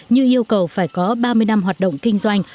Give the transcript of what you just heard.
như yêu cầu phải có ba mươi năm hoạt động kinh doanh